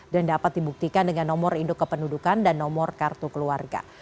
dan dapat dibuktikan dengan nomor induk kependudukan dan nomor kartu keluarga